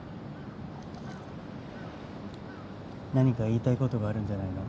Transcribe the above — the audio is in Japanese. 何か言いたいことがあるんじゃないの？